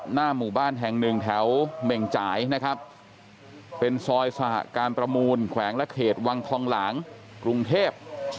หน้าหมู่บ้านแห่งหนึ่งแถวเหม่งจ่ายนะครับเป็นซอยสหการประมูลแขวงและเขตวังทองหลางกรุงเทพ